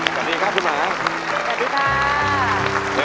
สวัสดีครับคุณหมา